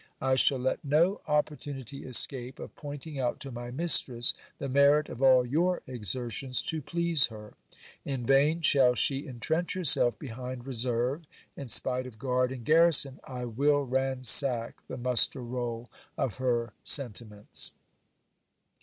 I shall let no opportunity escape of pointing out to my mistress the merit of all your exertions to please her. In vain shall she intrench herself behind reserve. In spite of guard and garrison, I will ransack the muster roll of her sentiments.